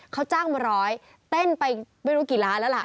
เขาจ้างมาร้อยเต้นไปไม่รู้กี่ล้านแล้วล่ะ